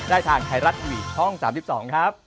ได้ทางไทยรัฐวียนต์ช่อง๓๒ครับ